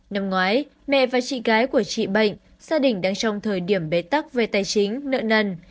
năm ngoái mẹ và chị gái của chị bệnh gia đình đang trong thời điểm bế tắc về tài chính nợ nần